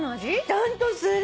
ちゃんとする！